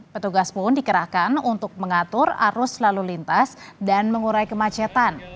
petugas pun dikerahkan untuk mengatur arus lalu lintas dan mengurai kemacetan